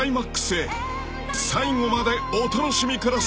［最後までお楽しみください］